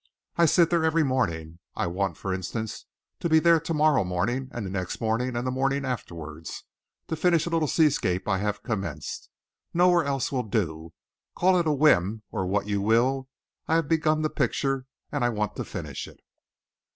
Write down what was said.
"I sit there every morning. I want, for instance, to be there to morrow morning, and the next morning, and the morning afterwards, to finish a little seascape I have commenced. Nowhere else will do. Call it a whim or what you will I have begun the picture, and I want to finish it."